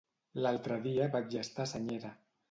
L'altre dia vaig estar a Senyera.